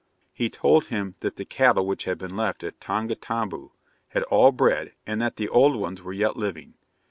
He told him that the cattle which had been left at Tongataboo had all bred, and that the old ones were yet living.